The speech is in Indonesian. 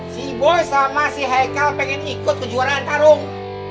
si boy sama si haikal pengen ikut kejuaraan terung